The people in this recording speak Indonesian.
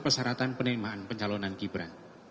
persyaratan penerimaan pencalonan gibran